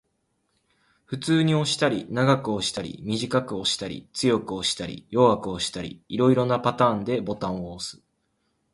普通に押したり、長く押したり、短く押したり、強く押したり、弱く押したり、色々なパターンでボタンを押す